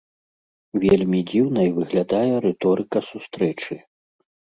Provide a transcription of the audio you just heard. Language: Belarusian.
Вельмі дзіўнай выглядае рыторыка сустрэчы.